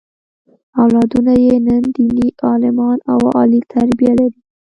اولادونه یې نن دیني عالمان او عالي تربیه لري.